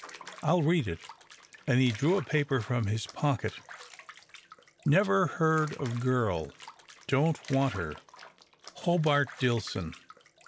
"I'll read it," and he drew a paper from his pocket. "Never heard of girl. Don't want her. Hobart Dillson."